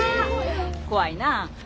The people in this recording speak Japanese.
怖いなあ。